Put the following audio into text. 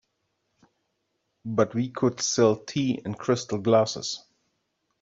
But we could sell tea in crystal glasses.